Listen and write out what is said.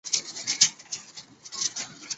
践行于检察队伍建设上